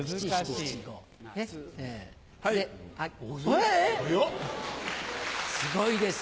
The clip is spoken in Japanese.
えぇ⁉すごいです。